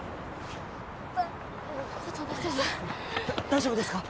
だ大丈夫ですか？